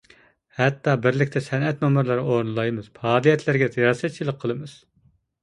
ھەتتا بىرلىكتە سەنئەت نومۇرلىرى ئورۇنلايمىز، پائالىيەتلەرگە رىياسەتچىلىك قىلىمىز.